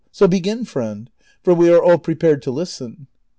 So begin, friend, for we are all })repared to listen."